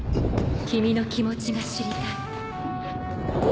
君の気持ちが知りたい」。